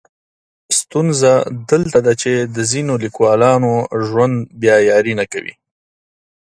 ستونزه دلته ده چې د ځینو لیکولانو ژوند بیا یاري نه کوي.